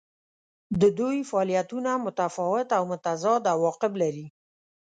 د دوی فعالیتونه متفاوت او متضاد عواقب لري.